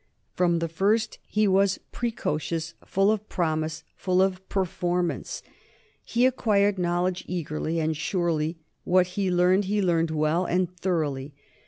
From the first he was precocious, full of promise, full of performance. He acquired knowledge eagerly and surely; what he learned he learned well and thoroughly.